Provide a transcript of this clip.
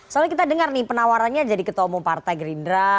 soalnya kita dengar nih penawarannya jadi ketua umum partai gerindra